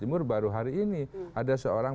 timur baru hari ini ada seorang